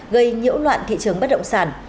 gây nhiễu loạn thị trường bất động sản